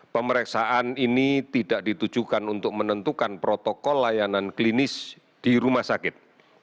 pemeriksaan ini tidak ditujukan untuk menentukan protokol layanan klinis di rumah sakit